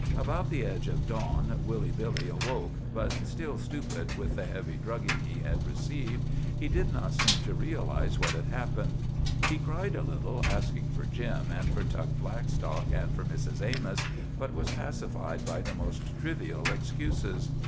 About the edge of dawn Woolly Billy awoke, but, still stupid with the heavy drugging he had received, he did not seem to realize what had happened. He cried a little, asking for Jim, and for Tug Blackstock, and for Mrs. Amos, but was pacified by the most trivial excuses.